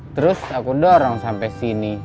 terus aku dorong sampai sini